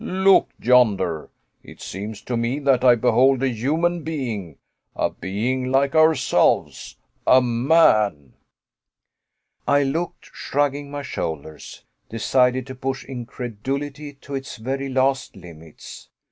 look yonder! It seems to me that I behold a human being a being like ourselves a man!" I looked, shrugging my shoulders, decided to push incredulity to its very last limits.